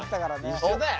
一緒だよ。